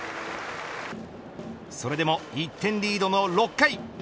それでも１点リードの６回。